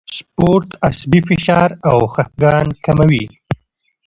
سپورت عصبي فشار او خپګان کموي.